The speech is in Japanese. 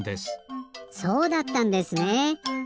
そうだったんですねえ。